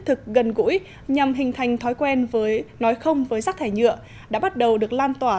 thực gần gũi nhằm hình thành thói quen nói không với rác thải nhựa đã bắt đầu được lan tỏa